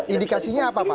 indikasinya apa pak